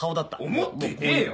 思ってねえよ！